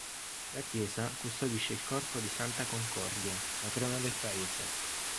La chiesa custodisce il corpo di Santa Concordia, patrona del paese.